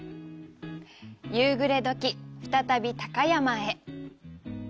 夕暮れ時、再び高山へ。